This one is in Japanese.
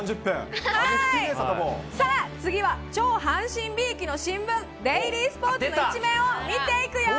さあ、次は超阪神びいきの新聞、デイリースポーツの１面を見ていくよ。